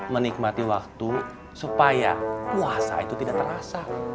menikmati waktu supaya puasa itu tidak terasa